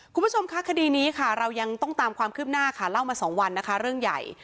คุณผู้ชมคะคดีนี้เราต้องตามความคืบหน้าเล่ามา๒วันเรื่องใหญ่